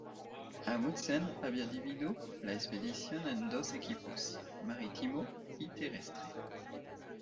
Amundsen había dividido la expedición en dos equipos, marítimo y terrestre.